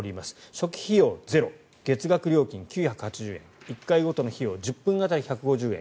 初期費用ゼロ月額料金９８０円１回ごとの費用１０分当たり１５０円。